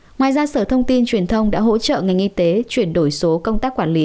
ngoài ra sở thông tin truyền thông đã hỗ trợ ngành y tế chuyển đổi số công tác quản lý